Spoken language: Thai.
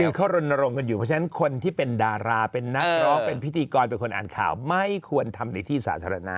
คือเขารณรงค์กันอยู่เพราะฉะนั้นคนที่เป็นดาราเป็นนักร้องเป็นพิธีกรเป็นคนอ่านข่าวไม่ควรทำในที่สาธารณะ